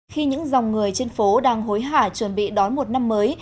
khi những dòng người trên phố đang hối hả chuẩn bị đón một năm mới